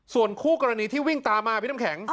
ส่วนคู่กรณีที่วิ่งตามมาพี่น้ำแข็ง